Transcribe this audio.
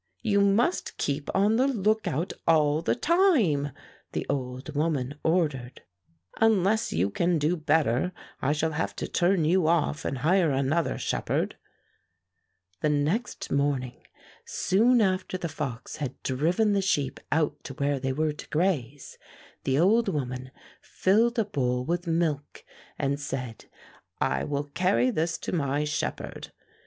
"You must keep on the lookout all the time," the old woman ordered. "Unless you THE OLD WOMAN THROWS THE MILK AT THE FOX 165 Fairy Tale Foxes can do better, I shall have to turn you off and hire another shepherd." The next morning, soon after the fox had driven the sheep out to where they were to graze, the old woman filled a bowl with milk and said, ''I will carry this to my shepherd."